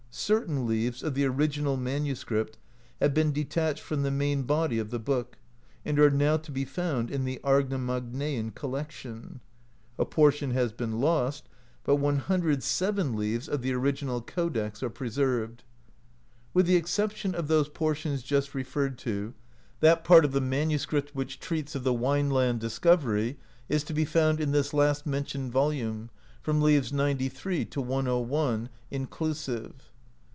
Certain leaves of the origi nal manuscript have been detached frcrni the main body of the book, and are now to be found in the Ama Magngean Collection; a portion has been lost, but 107 leaves of the i8 THE SAGA OF THORFINN KARLSEFNI original codex are preserved. With the exception of those portions just referred to, that part of the manuscript which treats of the Wineland discovery is to be found in this last mentioned volume, from leaves 93 to 101 [back] inclusive.